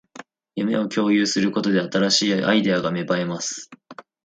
夢を共有することで、新しいアイデアが芽生えます